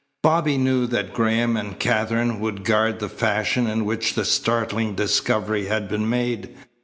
Bobby knew that Graham and Katherine would guard the fashion in which the startling discovery had been made.